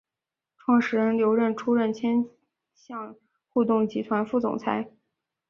创始人之一刘韧出任千橡互动集团副总裁。